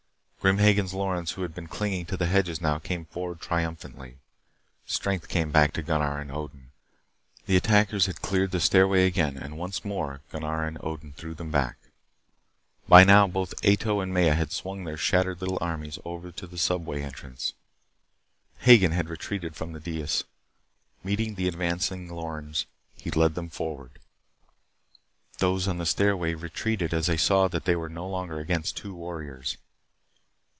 Grim Hagen's Lorens who had been clinging to the hedges now came forward triumphantly. Strength came back to Gunnar and Odin. The attackers had cleared the stairway again. And once more Gunnar and Odin threw them back. By now both Ato and Maya had swung their shattered little armies over to the subway entrance. Hagen had retreated from the dais. Meeting the advancing Lorens, he led them forward. Those on the stairway retreated as they saw that they were no longer against two warriors.